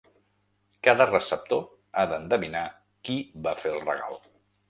Cada receptor ha d'endevinar qui va fer el regal.